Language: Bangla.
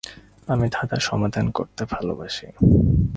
আমি ধাঁধা সমাধান করতে ভালোবাসি।